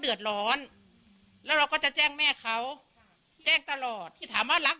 เดือดร้อนแล้วเราก็จะแจ้งแม่เขาแจ้งตลอดที่ถามว่ารัก